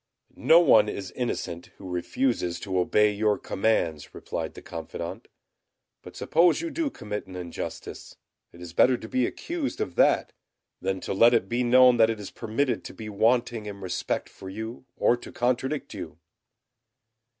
"No one is innocent who refuses to obey your commands," replied the confidant. "But suppose you do commit an injustice, it is better to be accused of that than to let it be known that it is permitted to be wanting in respect for you or to contradict you."